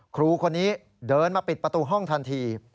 ครูคนนี้เดินมาปิดประตูห้องทันที